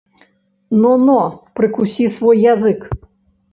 Но, но, прыкусі свой язык.